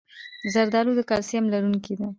زردالو د کلسیم لرونکی ده.